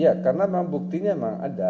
ya karena memang buktinya memang ada